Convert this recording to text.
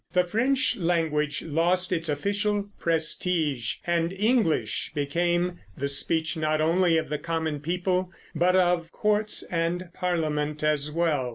The French language lost its official prestige, and English became the speech not only of the common people but of courts and Parliament as well.